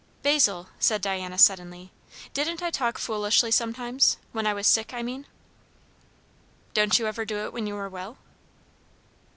"Basil," said Diana suddenly, "didn't I talk foolishly sometimes? when I was sick, I mean." "Don't you ever do it when you are well?"